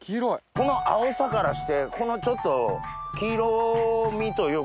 この青さからしてこのちょっと黄色みというか。